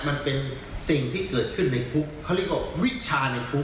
มันเป็นสิ่งที่เกิดขึ้นในคุกเขาเรียกว่าวิชาในคุก